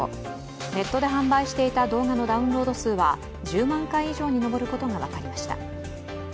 ネットで販売していた動画のダウンロード数は１０万回以上に上ることが分かりました。